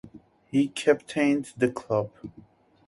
He captained the club.